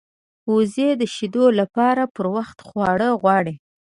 وزې د شیدو لپاره پر وخت خواړه غواړي